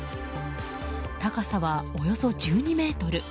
高さはおよそ１２ｍ。